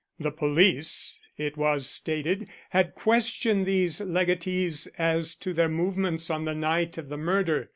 The police, it was stated, had questioned these legatees as to their movements on the night of the murder.